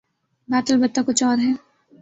بات البتہ کچھ اور ہے۔